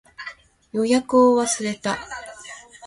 予約を忘れた